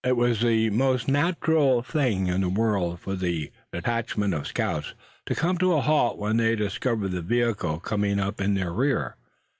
IT was the most natural thing in the world for the detachment of scouts to come to a halt when they discovered the vehicle coming up in their rear.